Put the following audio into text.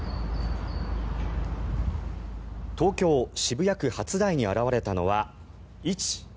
東京・渋谷区初台に現れたのは１、２、３。